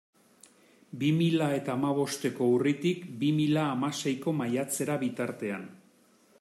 Bi mila eta hamabosteko urritik bi mila hamaseiko maiatzera bitartean.